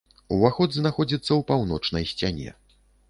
Уваход знаходзіцца ў паўночнай сцяне.